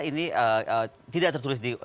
ini tidak tertulis